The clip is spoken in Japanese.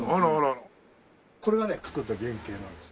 これがね作った原型なんですよ。